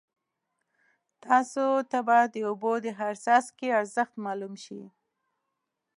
تاسو ته به د اوبو د هر څاڅکي ارزښت معلوم شي.